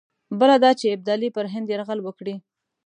بله دا چې ابدالي پر هند یرغل وکړي.